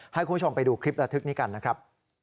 ให้คุณผู้ชมไปดูคลิประทึกนี้กันนะครับ